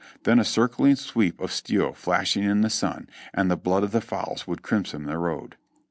Then a circling sweep of steel flashing in the sun, and the blood of the fowls would crimson the road.